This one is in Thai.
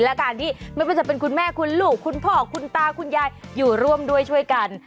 และการที่ไม่ว่าจะเป็นคุณแม่คุณลูกคุณพ่อคุณตาคุณยายอยู่ร่วมด้วยช่วยกัน